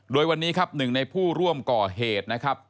โดยวันนี้ครับหนึ่งในผู้ร่วมก่อเหตุนะครับ